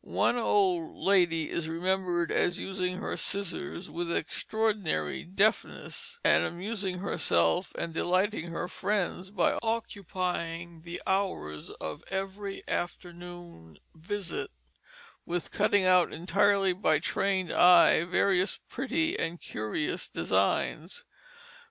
One old lady is remembered as using her scissors with extraordinary deftness, and amusing herself and delighting her friends by occupying the hours of every afternoon visit with cutting out entirely by her trained eye various pretty and curious designs.